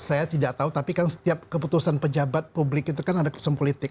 saya tidak tahu tapi kan setiap keputusan pejabat publik itu kan ada keputusan politik